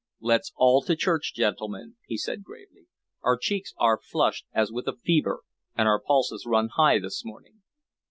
"Let's all to church, gentlemen," he said gravely. "Our cheeks are flushed as with a fever and our pulses run high this morning.